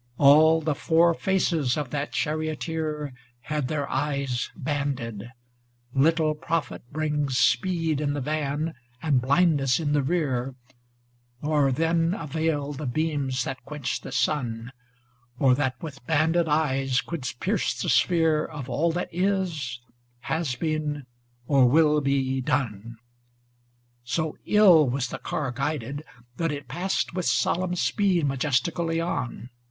All the four faces of that charioteer 99 Had their eyes banded; little profit brings FRAGMENTS 473 Speed in the van and blindness in the rear, Nor then avail the beams that quench the sun, ŌĆö Or that with banded eyes could pierce the sphere Of all that is, has been or will be done ; So ill was the car guided ŌĆö but it passed With solemn speed majestically on.